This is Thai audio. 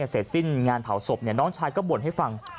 เศษสิ้นงานเผาศพเนี้ยน้องชายก็บ่นให้ฟัง